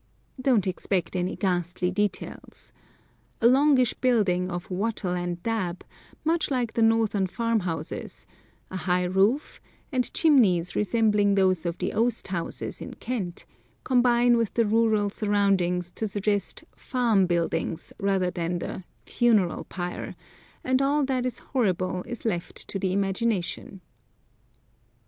Don't expect any ghastly details. A longish building of "wattle and dab," much like the northern farmhouses, a high roof, and chimneys resembling those of the "oast houses" in Kent, combine with the rural surroundings to suggest "farm buildings" rather than the "funeral pyre," and all that is horrible is left to the imagination.